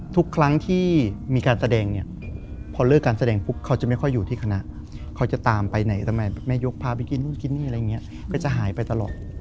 ทุกครั้งที่มีการแสดงเนี่ยพอเลิกการแสดงปุ๊บเขาจะไม่ค่อยอยู่ที่คณะเขาจะตามไปไหนทำไมแม่ยกพาไปกินนู่นกินนี่อะไรอย่างนี้ก็จะหายไปตลอด